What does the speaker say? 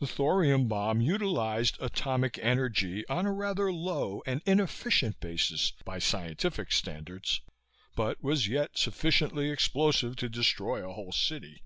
The thorium bomb utilized atomic energy, on a rather low and inefficient basis by scientific standards, but was yet sufficiently explosive to destroy a whole city.